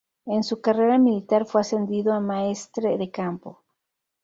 En su carrera militar fue ascendido a Maestre de Campo.